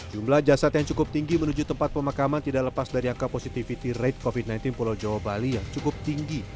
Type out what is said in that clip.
jumlah jasad yang cukup tinggi menuju tempat pemakaman tidak lepas dari angka positivity rate covid sembilan belas pulau jawa bali yang cukup tinggi